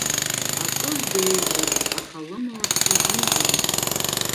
Акыр деиӷьуп, аха лымала дсызныжьуам.